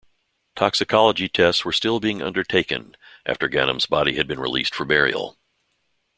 Toxicology tests were still being undertaken after Ghanem's body had been released for burial.